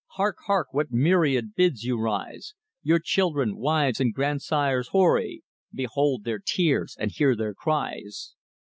Hark, hark! What myriads bids you rise! Your children, wives, and grand sires hoary Behold their tears and hear their cries!